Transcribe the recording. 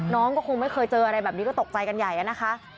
น้องก็คงไม่เคยเจออะไรแบบนี้ก็ตกใจกันใหญ่นะคะ